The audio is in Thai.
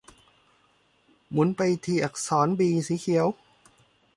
หมุนไปที่อักษรบีสีเขียว